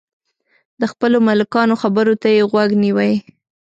د خپلو ملکانو خبرو ته یې غوږ نیوی.